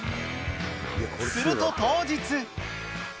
すると当日。